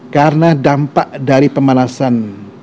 karena dampak dari pemanasan